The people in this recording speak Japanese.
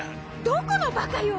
どこのバカよ？